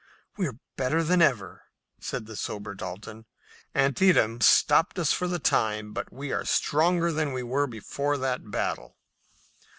"We're better than ever," said the sober Dalton. "Antietam stopped us for the time, but we are stronger than we were before that battle."